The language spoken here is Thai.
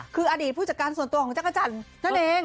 คืออดีตผู้จัดการส่วนตัวของจักรจันทร์นั่นเอง